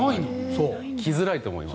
来づらいと思います。